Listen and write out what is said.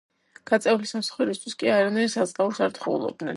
გაწეული სამსახურისთვის კი არანაირ საზღაურს არ თხოულობდნენ.